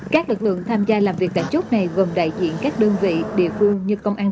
các lực lượng tham gia làm việc tại chốt này gồm đại diện các đơn vị địa phương như công an